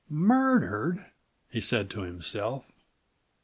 "Murdered?" he said to himself.